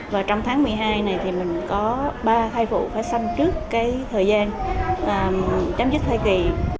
và trong tháng một mươi hai này thì mình có ba thai phụ phải sanh trước cái thời gian chấm dứt thai kỳ